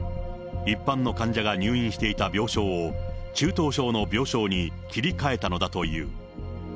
一般の患者が入院していた病床を、中等症の病床に切り替えたのだという。